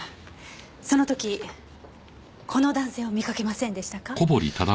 その時この男性を見かけませんでしたか？